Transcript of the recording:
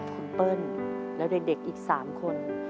คุณเปิ้ลแล้วเด็กอีก๓คน